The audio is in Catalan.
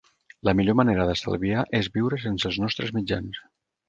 La millor manera d'estalviar és viure sense els nostres mitjans.